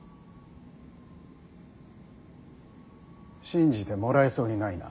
信じてもらえそうにないな。